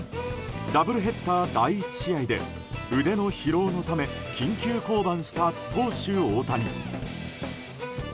ダブルヘッダー第１試合で腕の疲労のため緊急降板した投手・大谷。